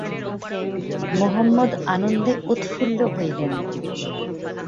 মহম্মদ আনন্দে উৎফুল্ল হইলেন।